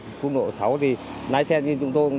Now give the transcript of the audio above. quốc lộ sáu thì lái xe như chúng tôi